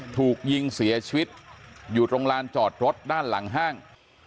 ถูกยิงเสียชีวิตอยู่ตรงลานจอดรถด้านหลังห้าง